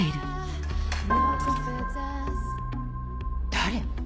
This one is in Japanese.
誰？